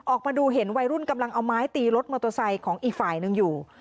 ออกมาดูเห็นวัยรุ่นกำลังเอาไม้ตีรถมอเตอร์ไซค์ของอีกฝ่ายหนึ่งอยู่